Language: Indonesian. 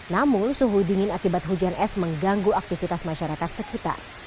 namun suhu dingin akibat hujan es mengganggu aktivitas masyarakat sekitar